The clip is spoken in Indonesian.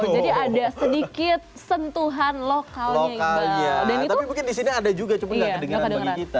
jadi ada sedikit sentuhan lokalnya tapi mungkin di sini ada juga cuma gak kedengeran bagi kita